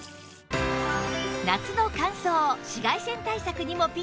夏の乾燥紫外線対策にもピッタリ！